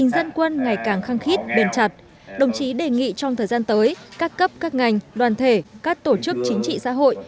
đề nghị trong thời gian tới các cấp các ngành đoàn thể các tổ chức chính trị xã hội